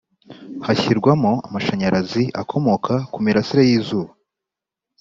hashyirwamo amashanyarazi akomoka ku mirasire y’izuba